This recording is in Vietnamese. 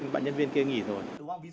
bạn nhân viên kia nghỉ rồi